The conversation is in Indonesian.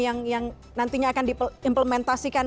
yang nantinya akan diimplementasikan